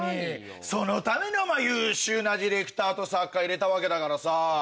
そのためにお前優秀なディレクターと作家入れたわけだからさ！